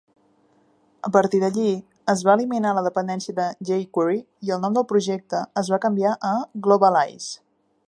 A partir d'allí, es va eliminar la dependència de jQuery i el nom del projecte es va canviar a Globalize.